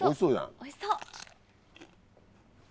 おいしそう。